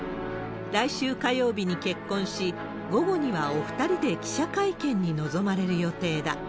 来週火曜日に結婚し、午後にはお２人で記者会見に臨まれる予定だ。